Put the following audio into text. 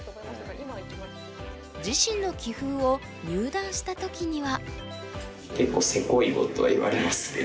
自身の棋風を入段した時には。